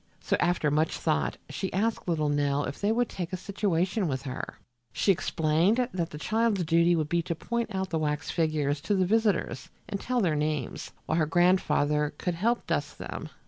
So, after much thought, she asked little Nell if they would take a situation with her. She explained that the child's duty would be to point out the wax figures to the visitors and tell their names, while her grandfather could help dust them.